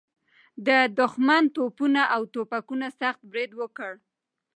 د دښمن توپونه او توپکونه سخت برید وکړ.